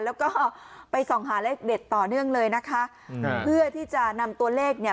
แล้วก็ไปส่องหาเลขเด็ดต่อเนื่องเลยนะคะเพื่อที่จะนำตัวเลขเนี่ย